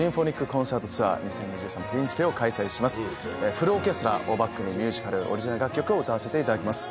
フルオーケストラをバックにミュージカルオリジナル楽曲を歌わせていただきます。